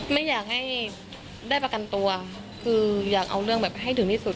ไม่อยากให้ได้ประกันตัวคืออยากเอาเรื่องแบบให้ถึงที่สุด